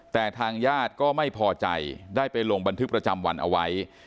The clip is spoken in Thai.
แต่ทางญาติก็ไม่พอใจได้ไปลงบันทึกประจำวันเอาไว้